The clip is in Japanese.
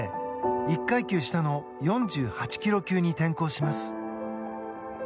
１階級下の４８ｋｇ級に転向します。